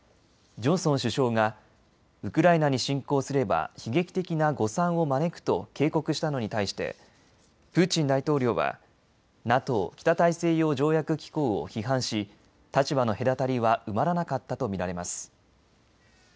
ジョンソン首相がウクライナに侵攻すれば悲劇的な誤算を招くと警告したのに対してプーチン大統領はＮＡＴＯ・北大西洋条約機構を批判し立場の隔たりは埋まらなかったと見られます。